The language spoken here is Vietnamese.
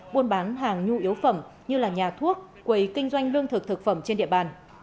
buôn bán hàng nhu yếu phẩm như nhà thuốc quầy kinh doanh lương thực thực phẩm trên địa bàn